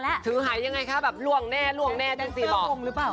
แล้วนี่ถือหายยังไงครับแบบล่วงแน่ด้านสี่หล่องหรือเปล่า